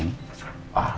enggak usah ya